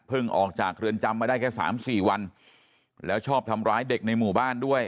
เพิ่งออกจากเครื่องจำมาได้แค่๓๔วันแล้วชอบทำร้ายเด็กในหมู่บ้านด้วย